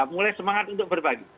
mulai semangat untuk berbagi